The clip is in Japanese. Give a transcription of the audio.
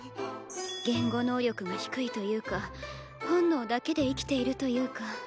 言語能力が低いというか本能だけで生きているというか。